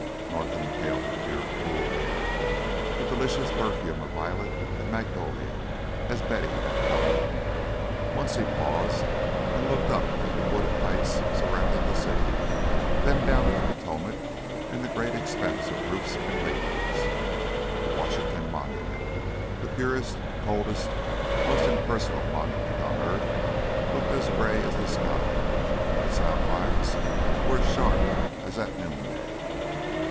North inhaled the pure cool air, the delicious perfume of violet and magnolia, as Betty had done. Once he paused and looked up at the wooded heights surrounding the city, then down at the Potomac and the great expanse of roofs and leaves. The Washington Monument, the purest, coldest, most impersonal monument on earth, looked as gray as the sky, but its outlines were as sharp as at noonday.